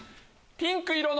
ピンク色の。